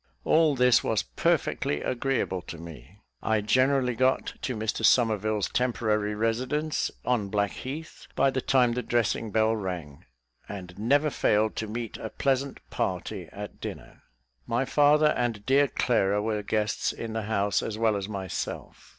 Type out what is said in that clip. All this was perfectly agreeable to me. I generally got to Mr Somerville's temporary residence on Blackheath by the time the dressing bell rang, and never failed to meet a pleasant party at dinner. My father and dear Clara were guests in the house as well as myself.